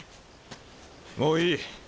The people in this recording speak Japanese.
もういい。